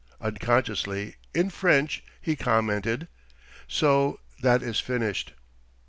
Unconsciously, in French, he commented: "So that is finished!"